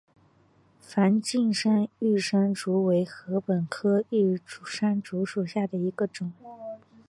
梵净山玉山竹为禾本科玉山竹属下的一个种。